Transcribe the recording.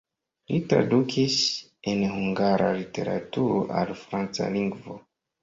Li tradukis el hungara literaturo al franca lingvo.